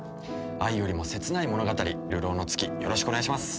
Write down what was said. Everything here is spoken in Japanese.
愛よりも切ない物語『流浪の月』よろしくお願いします。